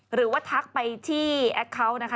หรือว่าทักไปที่แอคคาวต์